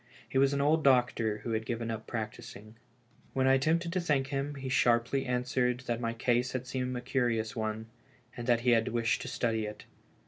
He was an old doctor who had given up practising. When I attempted to thank him, he sharply answered that my case had seemed a curious one, and that he had wished to study it.